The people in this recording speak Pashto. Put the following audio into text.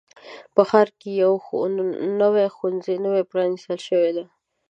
په ښار کې یو نوي ښوونځی نوی پرانیستل شوی دی.